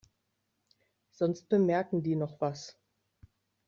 Sonst bemerken die noch was.